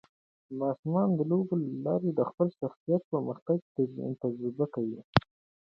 ماشومان د لوبو له لارې د خپل شخصیت پرمختګ تجربه کوي.